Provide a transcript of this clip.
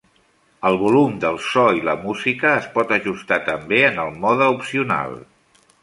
El volum del so i la música es pot ajustar també en el mode opcional.